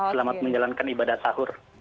selamat menjalankan ibadah sahur